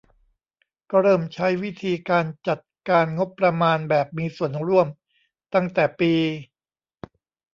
ก็เริ่มใช้วิธีการจัดการงบประมาณแบบมีส่วนร่วมตั้งแต่ปี